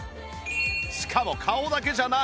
しかも顔だけじゃない！